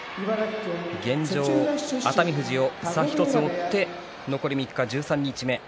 現状は熱海富士を星の差１つで追って残り３日、十三日目。